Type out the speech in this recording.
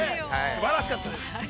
すばらしかったです。